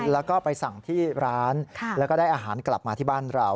แล้วก็ไปสั่งที่ร้านแล้วก็ได้อาหารกลับมาที่บ้านเรา